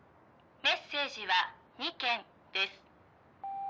「メッセージは２件です」